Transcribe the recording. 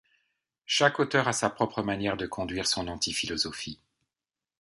Chaque auteur a sa propre manière de conduire son antiphilosophie.